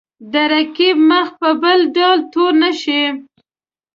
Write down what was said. د رقیب مخ په بل ډول تور نه شي.